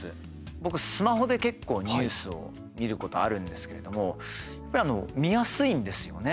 僕スマホで結構ニュースを見ることあるんですけれどもやっぱりあの見やすいんですよね。